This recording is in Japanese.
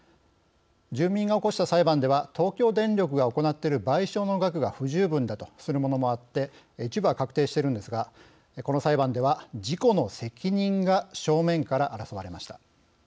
住民が起こした裁判では東京電力が行っている賠償の額が不十分だとするものもあって一部は確定しているんですがこの裁判では事故の責任が正面から争われました。